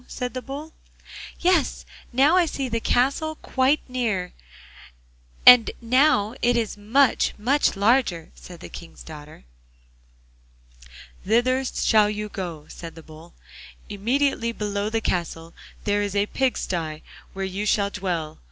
said the Bull. 'Yes, now I see the castle quite near, and now it is much, much larger,' said the King's daughter. 'Thither shall you go,' said the Bull; 'immediately below the castle there is a pig sty, where you shall dwell.